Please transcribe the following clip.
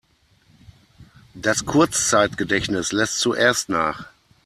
Das Kurzzeitgedächtnis lässt zuerst nach.